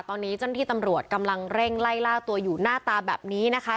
ตอนนี้เจ้าหน้าที่ตำรวจกำลังเร่งไล่ล่าตัวอยู่หน้าตาแบบนี้นะคะ